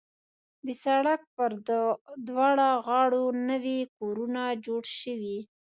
د سړک پر دواړه غاړو نوي کورونه جوړ شوي.